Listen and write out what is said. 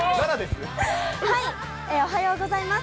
おはようございます。